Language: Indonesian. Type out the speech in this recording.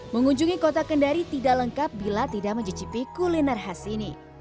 mengunjungi kota kendari tidak lengkap bila tidak mencicipi kuliner khas ini